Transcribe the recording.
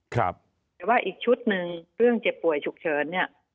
แต่ว่าอีกชุดหนึ่งเรื่องเจ็บป่วยฉุกเฉินเนี่ย